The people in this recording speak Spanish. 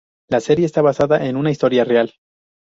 La serie está basada en una historia real.